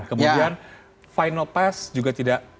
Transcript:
kemudian final pes juga tidak